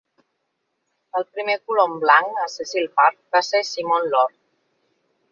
El primer colon blanc a Cecil Park va ser Simeon Lord.